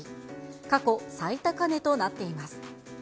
過去最高値となっています。